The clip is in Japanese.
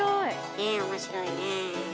ねえ面白いねえ。